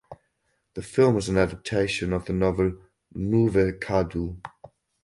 The film is an adaptation of the novel "Nuvve Kaadu".